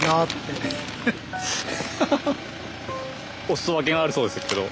おすそ分けがあるそうですけど。